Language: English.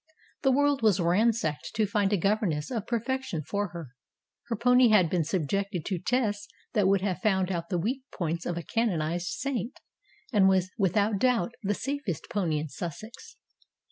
The world was ransacked to find a governess of perfection for her. Her pony had been subjected to tests that would have found out the weak points of a canonized saint, and was without doubt the safest pony in Sussex.